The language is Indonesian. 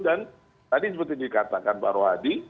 dan tadi seperti dikatakan pak rohadi